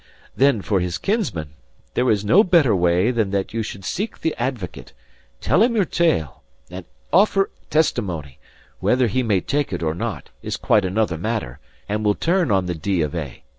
Then for his kinsman, there is no better way than that you should seek the Advocate, tell him your tale, and offer testimony; whether he may take it or not, is quite another matter, and will turn on the D. of A.